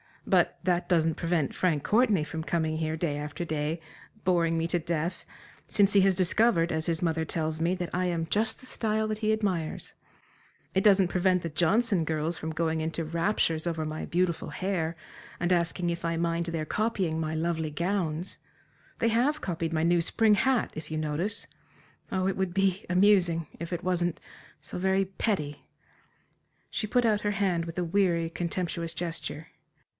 But that doesn't prevent Frank Courtenay from coming here day after day, boring me to death, since he has discovered as his mother tells me, that I am "just the style that he admires" it doesn't prevent the Johnston girls from going into raptures over my beautiful hair, and asking if I mind their copying my lovely gowns. They have copied my new spring hat, if you notice. Oh, it would be amusing, if it wasn't so very petty!" She put out her hand with a weary, contemptuous gesture.